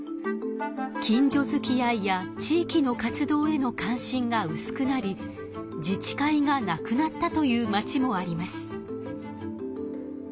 近所づきあいや地域の活動への関心がうすくなり自治会がなくなったというまちもあります。